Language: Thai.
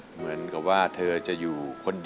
เหมือนกับว่าเธอจะอยู่